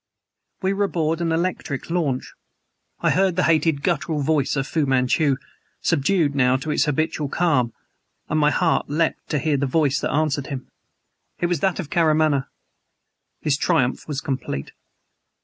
We were aboard an electric launch. I heard the hated guttural voice of Fu Manchu, subdued now to its habitual calm, and my heart leaped to hear the voice that answered him. It was that of Karamaneh. His triumph was complete.